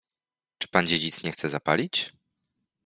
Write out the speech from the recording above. Czy pan dziedzic nie zechce zapalić?